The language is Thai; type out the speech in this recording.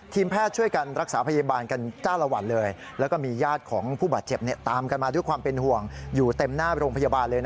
ทีมแพทย์การรักษาพยาบาลกันจ้าละหวันเลย